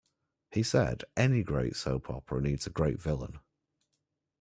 He said, Any great soap opera needs a great villain.